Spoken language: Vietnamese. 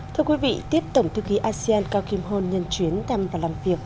thưa quý vị tiếp tổng thư ký asean cao kim hôn nhân chuyến thăm và làm việc